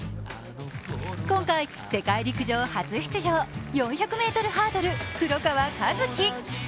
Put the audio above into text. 今回、世界陸上初出場４００ｍハードル・黒川和樹。